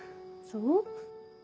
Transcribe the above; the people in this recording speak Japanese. そう。